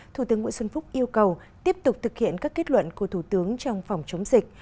thủ tướng nguyễn xuân phúc yêu cầu tiếp tục thực hiện các kết luận của thủ tướng trong phòng chống dịch